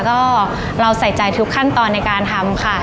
ก็เราใส่ใจทุกขั้นตอนในการทำค่ะ